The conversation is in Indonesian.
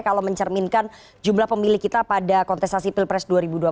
kalau mencerminkan jumlah pemilih kita pada kontestasi pilpres dua ribu dua puluh